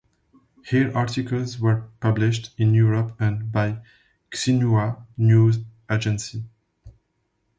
Here articles were published in Europe and by Xinhua News Agency.